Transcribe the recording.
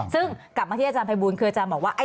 ซึ่งกลับมาที่อาจารย์ภัยบูลคืออาจารย์บอกว่า